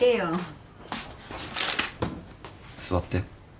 座って。